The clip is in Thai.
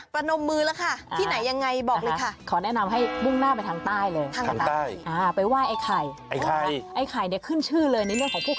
ประนมมือแล้วค่ะที่ไหนอย่างไรบอกเลยค่ะ